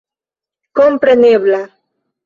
komprenebla.